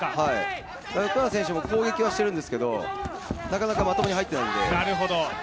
福永選手も攻撃はしてるんですけどなかなかまともに入っていないので。